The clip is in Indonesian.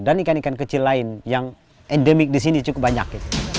dan ikan ikan kecil lain yang endemik di sini cukup banyak